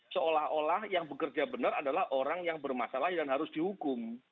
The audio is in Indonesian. seolah olah yang bekerja benar adalah orang yang bermasalah dan harus dihukum